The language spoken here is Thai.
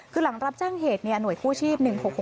คือหลังรับแจ้งเหตุหน่วยกู้ชีพ๑๖๖